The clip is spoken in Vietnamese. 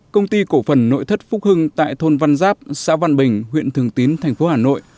công ty cổ phần nội thất phúc hưng tại thôn văn giáp xã văn bình huyện thường tín thành phố hà nội